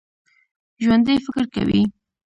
ژوندي فکر کوي